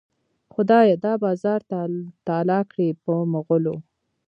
خدایه دا بازار تالا کړې په مغلو.